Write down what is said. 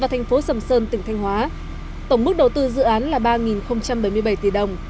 hoàng sơn tỉnh thanh hóa tổng mức đầu tư dự án là ba bảy mươi bảy tỷ đồng